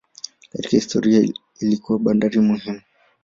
Katika historia ilikuwa bandari muhimu.